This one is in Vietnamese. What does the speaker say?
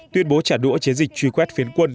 tuyên bố trả đũa chiến dịch truy quét phiến quân